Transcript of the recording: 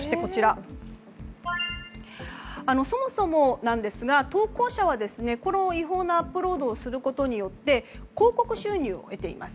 そもそもなんですが投稿者はこの違法なアップロードをすることで広告収入を得ています。